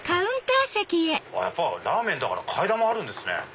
やっぱラーメンだから替え玉あるんですね。